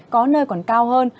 có nơi còn cao hơn